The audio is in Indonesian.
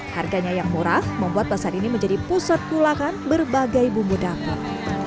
harganya yang murah membuat pasar ini menjadi pusat pulakan berbagai bumbu dapur